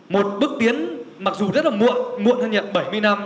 một bước tiến mặc dù rất là muộn muộn hơn nhận bảy mươi năm